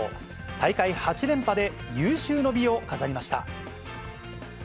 大会８連覇で有終の美を飾りました。